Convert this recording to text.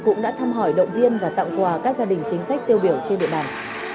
cũng đã thăm hỏi động viên và tặng quà các gia đình chính sách tiêu biểu trên địa bàn